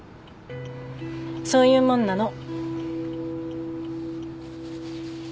そういうもんなの。